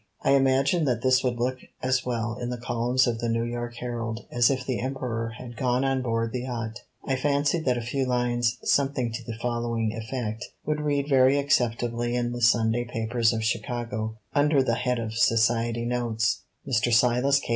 I imagined that this would look as well in the columns of the "New York Herald" as if the Emperor had gone on board the yacht. I fancied that a few lines, something to the following effect, would read very acceptably in the Sunday papers of Chicago, under the head of Society Notes: "Mr. Silas K.